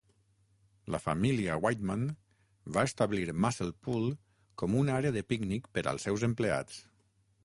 La família Whiteman va establir Mussel Pool com una àrea de pícnic per als seus empleats.